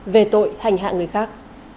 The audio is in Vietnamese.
về tội hành hạ người khác